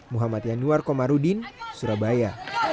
muhammad yanuar komarudin surabaya